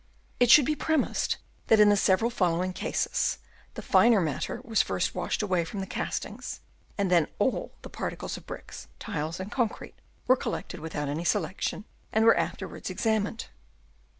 It should be premised that in the several following cases, the finer matter was first washed away from the castings, and then all the particles of bricks, tiles and con crete were collected without any selection, and were afterwards examined.